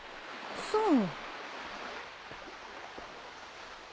そう。